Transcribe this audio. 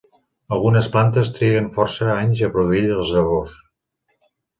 Algunes plantes triguen força anys a produir les llavors.